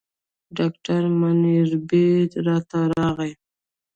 ډاکټر منیربې راته راغی.